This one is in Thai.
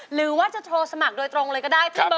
หรือว่าจะโทรสมัครโดยตรงเลยก็ได้